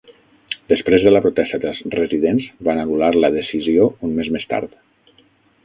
Després de la protesta dels residents, van anul·lar la decisió un mes més tard.